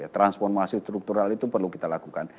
transformasi struktural itu perlu kita lakukan